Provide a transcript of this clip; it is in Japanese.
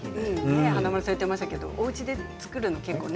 華丸さん言ってましたけどおうちで作るの結構ね。